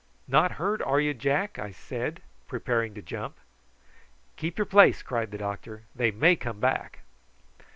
"Not hurt, are you, Jack?" I said, preparing to jump. "Keep your place," cried the doctor; "they may come back."